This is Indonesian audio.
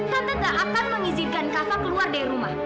tante nggak akan mengizinkan kava keluar dari rumah